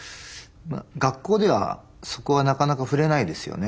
学校ではそこはなかなか触れないですよね